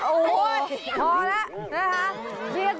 โอ้โหพอแล้วนะคะ